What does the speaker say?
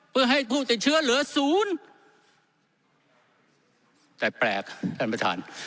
เพื่อให้ผู้ติดเชื้อเหลือศูนย์แต่แปลกท่านประธาน